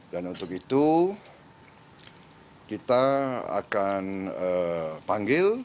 dan untuk itu kita akan panggil